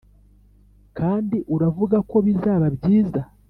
kandi uravuga ko bizaba byiza,